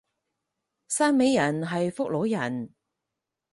汕尾人係福佬人